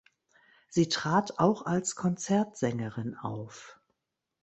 Sie trat auch als Konzertsängerin auf.